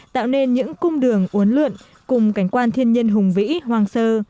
tạo nên những cung đường uốn lượn cùng cảnh quan thiên nhiên hùng vĩ hoang sơ